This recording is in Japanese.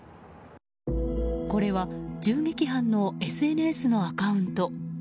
これは、銃撃犯のＳＮＳのアカウント。